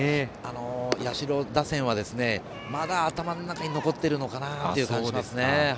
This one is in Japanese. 社打線は、まだ頭の中に残ってるのかなという感じがしますね。